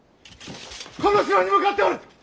この城に向かっておる！